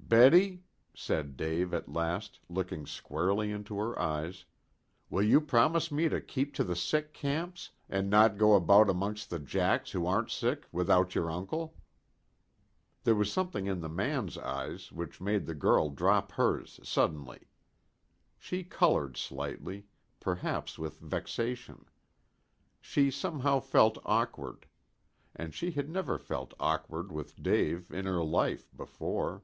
"Betty," said Dave at last, looking squarely into her eyes, "will you promise me to keep to the sick camps, and not go about amongst the 'jacks' who aren't sick without your uncle?" There was something in the man's eyes which made the girl drop hers suddenly. She colored slightly, perhaps with vexation. She somehow felt awkward. And she had never felt awkward with Dave in her life before.